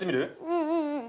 うんうんうん。